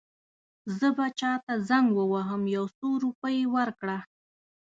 زه به چاته زنګ ووهم یو څو روپۍ ورکړه.